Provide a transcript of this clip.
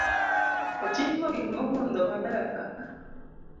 Oting'o gik mogundho mabeyo kaka